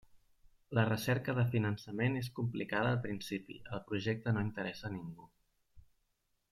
La recerca de finançament és complicada al principi, el projecte no interessa ningú.